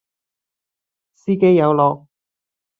司機有落